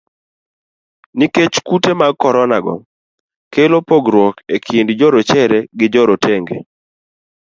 Nikech kute mag korona go kelo pogruok e kind jorachere gi jorotenge.